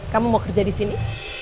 kamu mau kerja di sini